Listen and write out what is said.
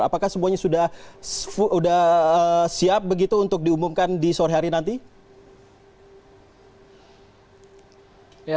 apakah semuanya sudah siap begitu untuk diumumkan di sore hari nanti